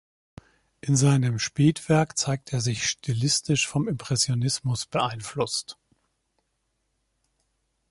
In seinem Spätwerk zeigt er sich stilistisch vom Impressionismus beeinflusst.